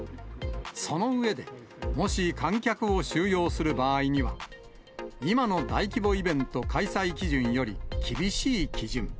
その上で、もし、観客を収容する場合には、今の大規模イベント開催基準より厳しい基準。